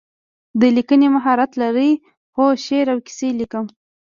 د لیکنې مهارت لرئ؟ هو، شعر او کیسې لیکم